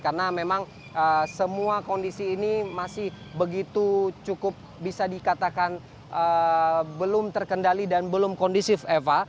karena memang semua kondisi ini masih begitu cukup bisa dikatakan belum terkendali dan belum kondisif eva